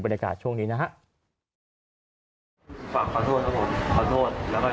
บรรยากาศช่วงนี้นะฮะฝากขอโทษทั้งหมดขอโทษแล้วก็แบบ